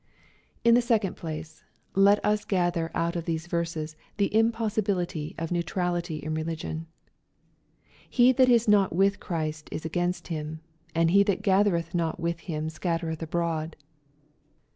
In the second place, let us gather out of these verses the impossibility of neutrality in religion. " He that is not with Christ is against him, and ho that gathereth not with him scattereth abroad.''